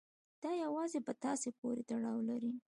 دا يوازې په تاسې پورې تړاو لري.